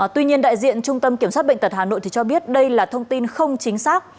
tuy nhiên đại diện trung tâm kiểm soát bệnh tật hà nội cho biết đây là thông tin không chính xác